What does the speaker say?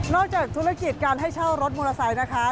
จากธุรกิจการให้เช่ารถมอเตอร์ไซค์นะคะ